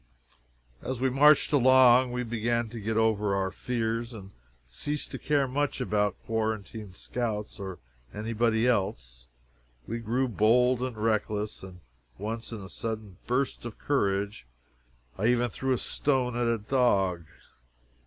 As we marched along, we began to get over our fears, and ceased to care much about quarantine scouts or any body else. We grew bold and reckless; and once, in a sudden burst of courage, I even threw a stone at a dog.